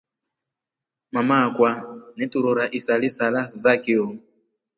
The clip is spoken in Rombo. Mama kwaa neturora isila sala za kio.